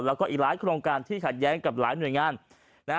แล้วก็อีกหลายโครงการที่ขัดแย้งกับหลายหน่วยงานนะฮะ